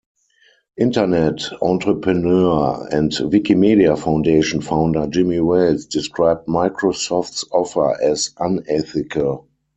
Internet entrepreneur and Wikimedia Foundation founder Jimmy Wales described Microsoft's offer as unethical.